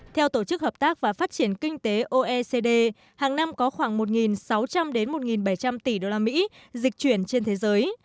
theo tổ chức hợp tác và phát triển kinh tế oecd hàng năm có khoảng một sáu trăm linh đến một bảy trăm linh tỷ usd dịch chuyển trên thế giới